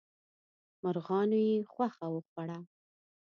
مرغانو یې غوښه وخوړه.